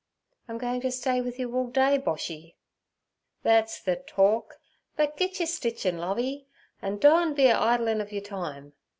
'I'm going to stay with you all day, Boshy.' 'That's ther talk, but git yer stitchin', Lovey, an' doan be a idlin' of yer time.